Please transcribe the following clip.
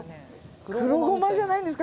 黒ゴマじゃないんですか？